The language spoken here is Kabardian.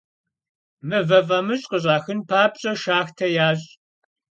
Mıve f'amış' khış'axın papş'e, şşaxte yaş'.